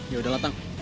yaudah lah tang